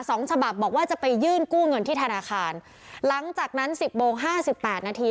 สองฉบับบอกว่าจะไปยื่นกู้เงินที่ธนาคารหลังจากนั้นสิบโมงห้าสิบแปดนาที